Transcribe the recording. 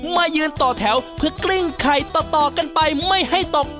มายืนต่อแถวเพื่อกลิ้งไข่ต่อกันไปไม่ให้ตก